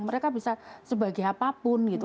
mereka bisa sebagai apapun gitu